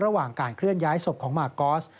ระหว่างการเคลื่อนย้ายศพของมากอส